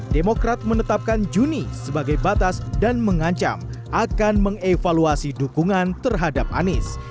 demokrat menetapkan juni sebagai batas dan mengancam akan mengevaluasi dukungan terhadap anies